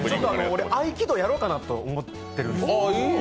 俺、合気道やろうかと思ってるんですよ。